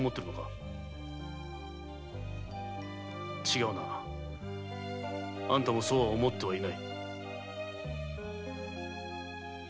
違うなあんたもそうは思ってはいない。